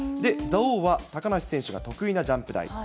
蔵王は高梨選手が得意なジャンプ台。